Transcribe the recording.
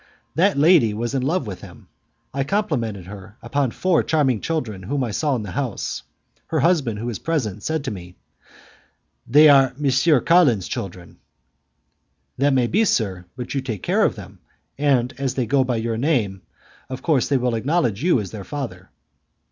That lady was in love with him. I complimented her upon four charming children whom I saw in the house. Her husband, who was present, said to me; "They are M. Carlin's children." "That may be, sir, but you take care of them, and as they go by your name, of course they will acknowledge you as their father."